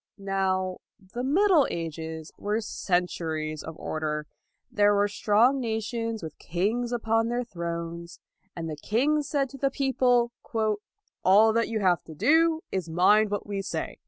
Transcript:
Now the Middle Ages were centuries of order. There were strong nations with kings upon their thrones, and the kings LAUD 213 said to the people, " All that you have to do is to mind what we say.